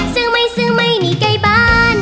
ซื้อไม่ซื้อไม่หนีใกล้บ้าน